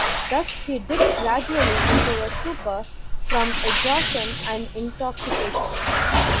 Thus he dipped gradually into a stupor, from exhaustion and intoxication.